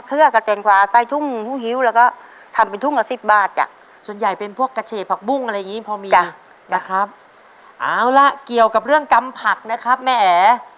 เอาล่ะเกี่ยวกับเรื่องกำผักนะครับแม่แอ๋